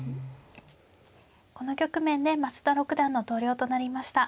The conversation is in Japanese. この局面で増田六段の投了となりました。